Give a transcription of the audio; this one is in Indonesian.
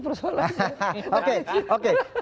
persoalannya oke oke